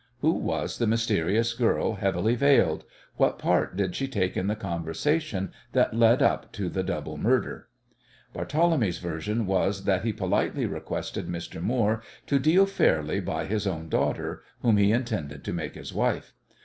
Who was the mysterious girl heavily veiled? What part did she take in the conversation that led up to the double murder? Barthélemy's version was that he politely requested Mr. Moore to deal fairly by his own daughter, whom he intended to make his wife.